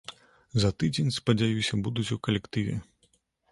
За тыдзень, спадзяюся, будуць у калектыве.